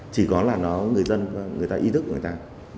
chỉ có là người dân người ta ý thức người ta